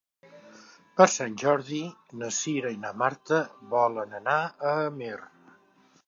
Per Sant Jordi na Cira i na Marta volen anar a Amer.